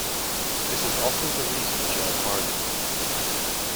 This is also the reason gel hardens.